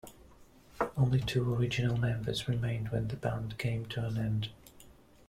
Only two original members remained when the band came to an end.